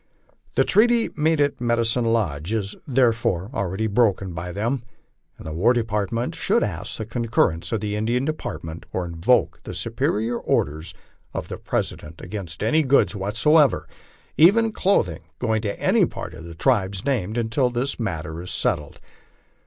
The treaty made at Medicine Lodge is, there fore, already broken by them, and the War Department should ask the concur rence of the Indian Department, or invoke the superior orders of the President LIFE ON THE PLAINS. 109 against any goods whatever, even clothing, going to any part of the tribes named, until this matter is settled.